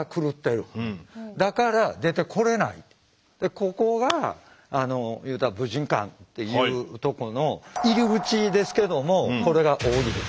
ここが言うたら武神館っていうとこの入口ですけどもこれが奥義です。